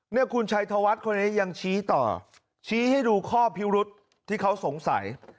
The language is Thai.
เนี่ยคุณชัยธวัฒน์คนนี้ยังชี้ต่อชี้ให้ดูข้อพิรุษที่เขาสงสัย